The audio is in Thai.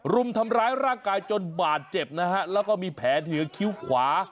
รุมทำร้ายร่างกายจนบาดเจ็บนะฮะแล้วก็มีแผลที่เหนือคิ้วขวา